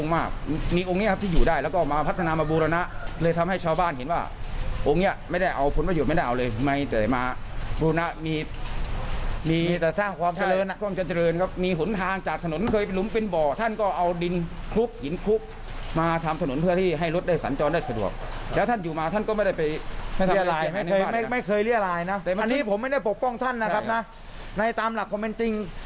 อันนี้ไม่เคยเรียรายนะแต่อันนี้ผมไม่ได้ปกป้องท่านนะครับนะในตามหลักความเป็นจริง